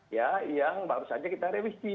ya yang baru saja kita revisi